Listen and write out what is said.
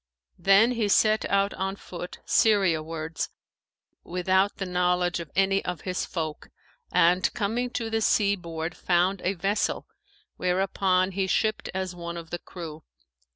Then he set out on foot Syria wards without the knowledge of any of his folk, and coming to the sea board found a vessel whereon he shipped as one of the crew.